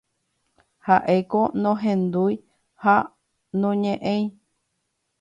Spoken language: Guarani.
Ha'éko nohendúi ha noñe'ẽi.